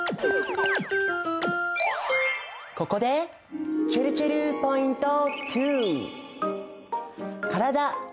ここでちぇるちぇるポイント２！